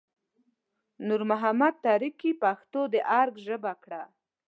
نور محمد تره کي پښتو د ارګ ژبه کړه